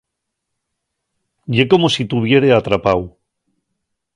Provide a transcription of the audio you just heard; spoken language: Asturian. Ye como si tuviere atrapáu.